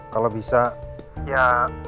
kalau bisa ya